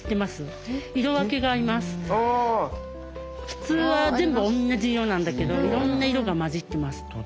普通は全部おんなじ色なんだけどいろんな色がまじってます。